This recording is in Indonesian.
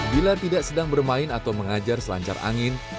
bila tidak sedang bermain atau mengajar selancar angin